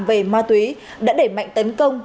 về ma túy đã đẩy mạnh tấn công